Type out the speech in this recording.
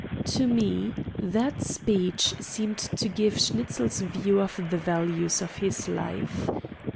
To me, that speech seemed to give Schnitzel's view of the values of his life.